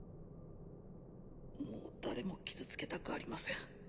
もう誰も傷つけたくありません。